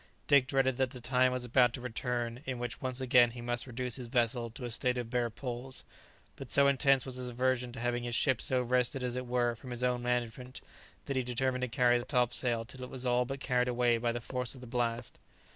Dick dreaded that the time was about to return in which once again he must reduce his vessel to a state of bare poles; but so intense was his aversion to having his ship so wrested as it were from his own management, that he determined to carry the topsail till it was all but carried away by the force of the blast.